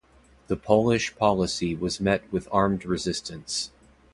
The Polish policy was met with armed resistance.